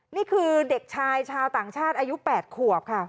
นี่คือเด็กชายชาวต่างชาติอายุ๘ขวบค่ะ